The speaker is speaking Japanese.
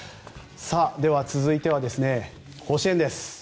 では、続いては甲子園です。